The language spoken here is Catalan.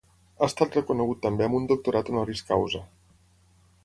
Ha estat reconegut també amb un doctorat honoris causa.